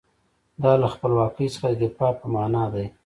دا له خپلواکۍ څخه د دفاع په معنی دی.